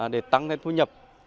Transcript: để tăng lên thu nhập